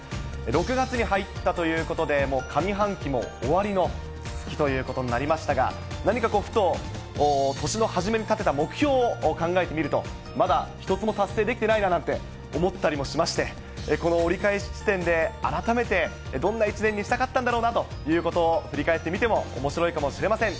６月に入ったということで、もう上半期も終わりの月ということになりましたが、何かこう、ふと年の初めに立てた目標を考えてみると、まだ一つも達成できてないななんて思ったりもしまして、この折り返し地点で、改めて、どんな一年にしたかったんだろうな？ということを、振り返ってみてもおもしろいかもしれません。